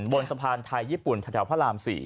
บนสะพานไทยญี่ปุ่นแถวพระราม๔